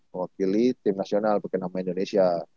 mewakili tim nasional bikin nama indonesia